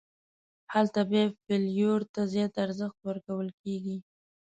هلته بیا فلېور ته زیات ارزښت ورکول کېږي.